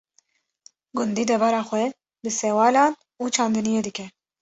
Gundî debara xwe bi sewalan û çandiniyê dike.